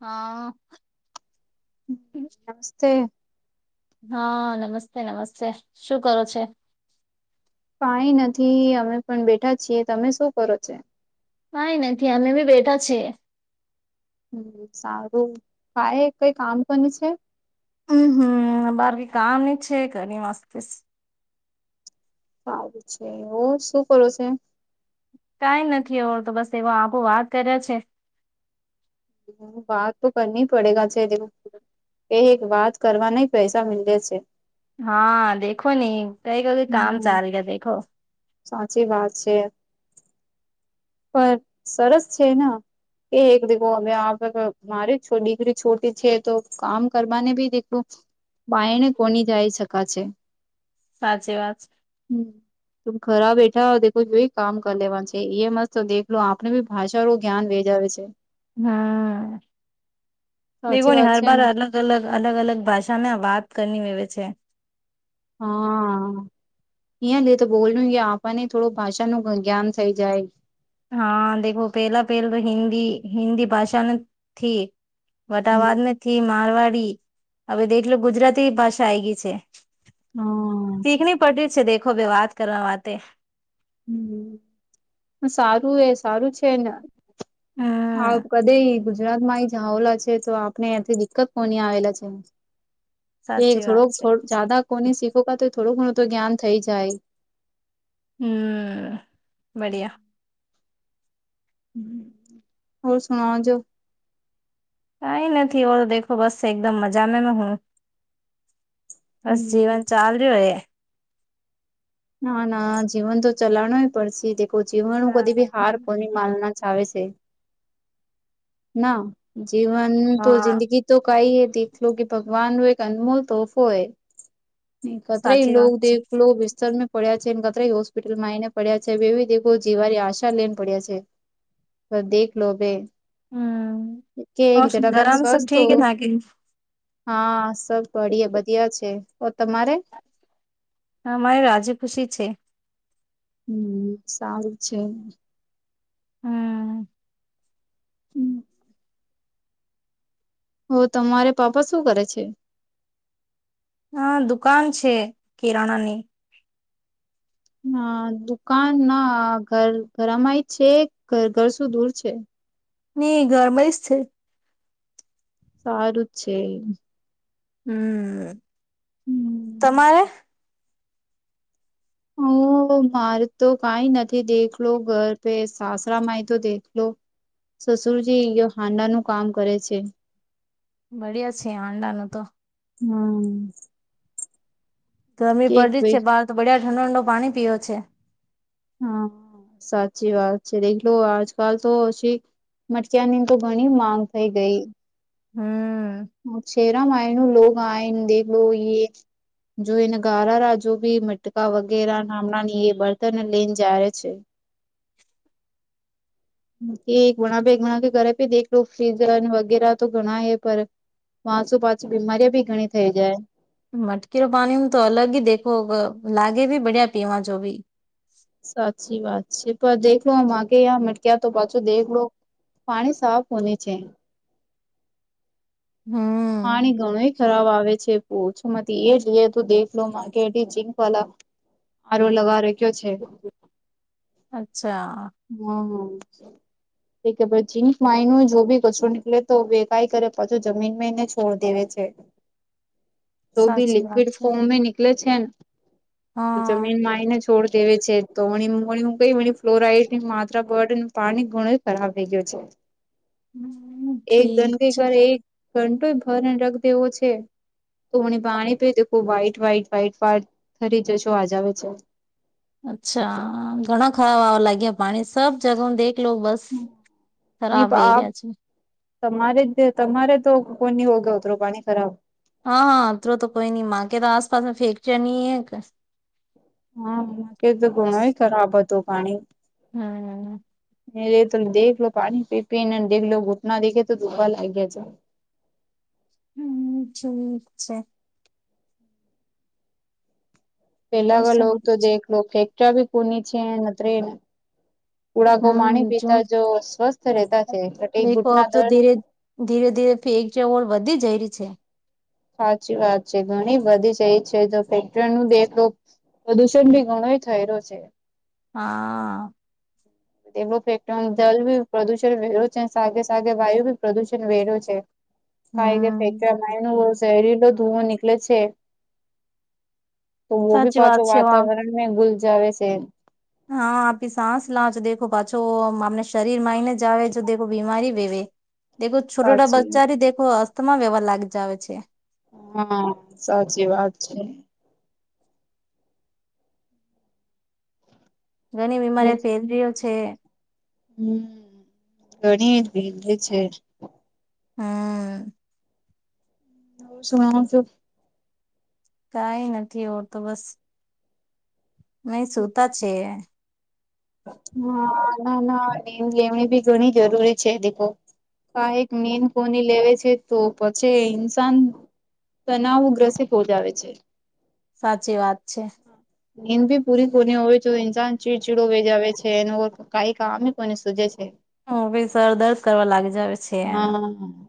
અ નમસ્તે હા નમસ્તે નમસ્તે શું કરો છે કઈ નથી અમે પણ બેઠા છીએ તમે શું કરો છો કઈ નથી અમે બી બેઠા છીએ હમ્મ સારું કાય કઈ કામ પણ છે હમ્મ હમ્મ અબારકી કામ ની છે ઘણી વાસ્તીસ સારું છે ઓ શું કરો છ કઈ નથી એવ તો બસ એવ આપો વાત કર્યા છે વાત તો કરની પડેગ છેરી એ એક વાત કરવા ન પૈસા મી છે હા દેખો નને કઈ કઈઈ કામ હમ ચાાલ ગયા દેખો સાચી વાત છે પણ સરસ છે ને એ એક દખો હવે આપ મારી ડિગ્રી છોટી છે તો કામ કરવાને ભી દેખો બાાયને કોની જાય શકા છે સાચી વાત હમ ત ખરા બેઠા દેખો જોઈ કામ કરી લેવા છે એ મસ્ તો દેખલો આપણે બી ભાષાળું જ્ઞાન વેજાવે છે હા બેગો સાચી વાત હર છે બાર ને હલા અલગ અલગ અલગ અલગ ભાષામાં વાત કરની આવેવે છે હા અહીં લે તો બોલ આપવાને થોડું ભાષા ન જ્ઞાન થઈ જાય હા દખો પહેલા પહેલા તો હિન્દી હિન્દી ભાષાને થી હમ્મ વટાવાદ થી મારવાડી હવે દેખલો ગુજરાતી ભાષા આ ગઈ છે હા શીખણી પડ છે દેખો ભ વાત કરવા વાતે હમ સારું એ સારું છે ને હા હા કદ ગુજરાત માં જાહલા છે તો આપને એ્યાંથી દિક્કત કોની આવેલા છે એ સાચી વાત થોડુંક છે જદા કોને શીખ ક તો થોડુંક ઘણું તો જ્ઞાન થઈ જાય હમ બડિયા હોર સુણ જો કઈ નથી ઓ દેખો બસ એકદમ મજા મે મે હું બસ હમ્મ જીવન ચાલ રહ્યું હોય ના ના જીવન તો ચલાણય પડશે દ જીવનું કદી બી હાર કોને માલના ચ આવે છે ના જીવન તો હા જિંદગી તો કઈ એ દેખલો લો કે ભગવાન વો એક અનમોલ તોહફો હૈ ન ખતરા સાચી લો વાત દ છે લો બિસ્તર પડ્યા છેને કત હોસ્પિટલ માં આવીને પડ્યા છે એવધ જીવાની આશા લઈને પડ્યા છે દેખ લો બેે હમમ ગરમ સબ સ્વસ્થ હો ઠીક હ થાકી હા સબ બય બધિયા છે તો તમારે અમારે રાજી ખુશી છે હમ સારું છે હમ હમ હો તમારે પાપા શું કરે છે હા દુકાન છે કિરાણા ની હ દુકાન ના ઘર ઘરામાંય છે ઘ ઘર સુું દૂર છે ઈ ગરમય જ છે સારું જ છે હમ હમ. તમારે હ મારે તો કઈ નથી દેખલો ઘરપે સાસરામાંય તો દેખલો સસુરજી યે હાંડા નું કામ કરે છે. બઢિયા છે આંડાનું તો હમ ગરમી કેક પડી ભાઈ છે બહાર તો બડિયા ઠંડો ઠંડો પાણી પીયો છે. હા સાચી વાત છે એતો આજકાલતો ઓછી મરચાની તો ઘણી માંગ થઈ ગઈ. હમ શેરા માયનુ [unintelligible] દેખલો એ જોઈને ગારા રાજોબી મટકા વગેરે ના [unintelligible] બળતન લઈને જાય છે. એક વણા ભ એકણા કે ઘરે દેખડખ સીઝન વગેરે તો ઘણા એ પણ વાસુ પાછું બીમારી બી ઘણી થઈ જાય. મટકીનો પાણી તો અલગ હીદેખો લાગે ભી બઢિયા પીવા જો ભી સાચી વાત છે પ દેખો આગે યા મટક્યા તો પાછો દેખ લો પાણી સાફ હોને છે. હમ પાણી ઘણુંય ખરાબ આવે છે ઓછુંમાંથી એ જઈએ તો દેખલો માકેટ જિંકવાલા હારો લગાર કયો છે. અચ્છા હ હ એકે પછી કાઇનો એન જોભી કચરો નીકળે તો વે કઈ કરે પાછું જમીન એને છોડ દેવે છે. તો બી સાચી વાત લિક્વિડ છે ફોર્મ નીકળે છે ને હા જમીનમાં એનેજ છોડ દેવે છે તો [unintelligible] ફ્લોરાઈડ માત્રા [unintelligible] પાણી ધણો ખરાબ થઈ ગયો છે. હમ એક ઠીક ઘંટી છે ઘરે એક ઘંટો ભરને રખદેવો છે. તોણી પાણી પીતો ખૂબ વાઇટ વાઇટ વાાઈટ વાટ થરી જશો આજ આવે છે. ચ્છા ઘણા ખરાબ આવા લાગ્યા પાણી સબ જગહ દેખ લો બસ ની ખરાબ પ આપ એરિયા છે તમારે જ તમારે તો કોની ઓગાવતરો પાણી ખરાબ હાં અતરો તો કોઈ નઈ માકે તો આસપાસ ફેકચર નહી. હા કે તો ઘણોય ખરાબ હતો પાણી હમ એ તો દેખલો પાણી પી પીને ઘુટના દેખેતો ધુખા લાગ્યા છે હમ ઠીક છે. ઓર પેલા વાલ સબ તો દેખલો કે કભી કોની છેત્ર ને ઉડાકો માણી પીતા જો સ્વસ્થ રહેતા છે એ દેખો ઘૂટના અબ તો દર્દ ધીરે ધીરે ધીરે ફેક જવર વધી જઈ રહી છે. હાચી વાત છે ઘણી બધી છે એ છે તો ફેક્ટરી ન દે પ્રદૂષણભી ઘણો થય રહ્યો છે. હા એવો ફેકટરી જલ ભી પ્રદુષણ વેરો છે સાગે સાગે વાયુ ભી પ્રદુષણ વેર્યુ છે. હમ્મ. [unintelligible] શહેરીલો ધુઓ નીકળે છે. તો વોભી સાચી પાચો વાત છે આમ. વાતાવરણ ને ગુલજાવે છે. હા આપી સાસ લાછ દેખો પાછો આપને શરીર માઈને જ આવે જો દેખો બીમારી બેવે દેખો છોરોડા સાચી વાત. બચ્ચારી દેખો અસ્તમા વ્યહ લાગ જાવે છે. હા સાચી વાત છે. ઘણી બીમારી [unintelligible] છે. હમ ઘણી ભીંધી છે હાં સુ [unintelligible] કાઈ નથી હોતું બસ નહી સુતા છે એ હા ના ના લેવણી બી ઘણી જરૂરી છે દેખો કહેક મેન કોની લેવે છે તો પછી ઇન્સાન તનાવો ગ્રસી પોહોજાવે છે સાચી વાત છે નીન બી પૂરી કોની હોય તો ઇન્સાન ચીડચીડો વેજાવે છે એ કઈ કામ કોને સુજે છે હ ભાઈ સર દર્દ કરવા લાગી જાવ છે એનો હમ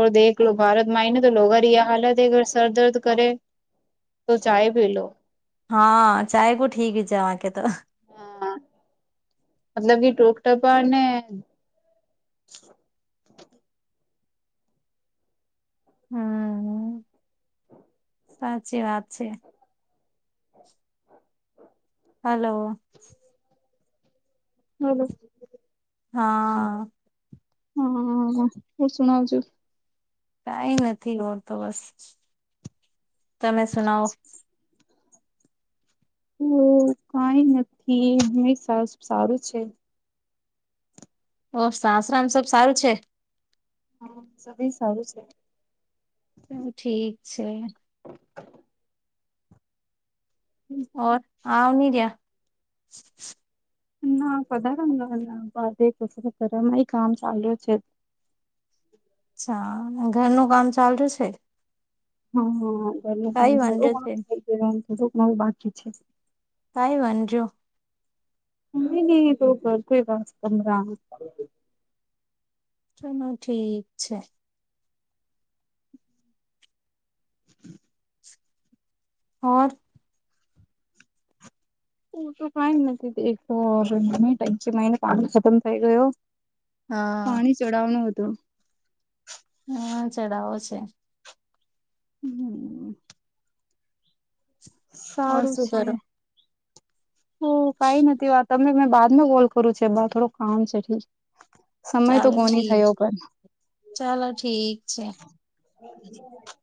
ઓ દેખ લો ભારતમાંઇને તો લો અરે હાલત હ અ સર દર્દ કરે તો જાય ભલો હા ચહે ક ઠી હ છે આ કે તો હા મતલબ કે ટોક ટપા ને હમ સાચી વાત છે હલો હા બ હા હા હ હું શણવ છું કઈ નથી હો તો બસ તમે સુનાવો ઓ કઈ નથી એ હમેશા સારું છે ઓ સાસરાામ સ સારું છે હા સ સારું છે તો ઠીક છે ઓર હા ન રહ ના કધા રંગ બધે કસ કર મા કામ ચાલુ છે અ્છા ઘરનું કામ ચાલુ છે હા હા ઘરને કઈ વાંધો છે કામ કરો કરો બાકી છે કઈ વાનજો ન તો કરગ દસ પંદ ચાલો ઠીક છે [inaudible] હોર [unintelligible] હ તો કઈ નથી એકચ મહિને કામ ખતમ થઈ ગયો હા પાણી ચડાવનું હત હા ચડાવો છે હમ ઓર સારું શું છે કરો હ કઈ નથી વા તમે મેં બાદમાં કોલ કરું છે થોડું કામ છે ઠીક સમય તો ચાલો કોની ઠીક થયો પણ ચાલો ઠીક છે [inaudible]